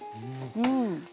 うん。